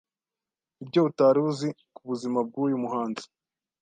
ibyo utari uzi ku buzima bw’uyu muhanzi